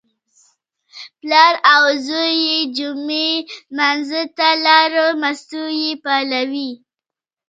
پلار او زوی د جمعې لمانځه ته لاړل، مستو یې پالوې.